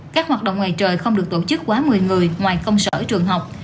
các hoạt động ngoài trời không được tổ chức quá một mươi người ngoài công sở trường học